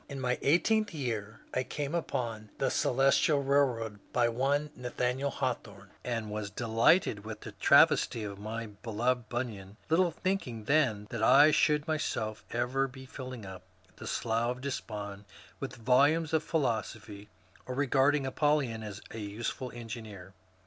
Li my eighteenth year I came upon ^^ The Celestial Bailroad " by one Nathaniel Hawthorne, and was delighted with the travesty of my beloved Bunyan, little thinking then that I should myself ever be filling up the Slough of Despond with volumes of philosophy, or regarding ApoUyon as a useful engineer.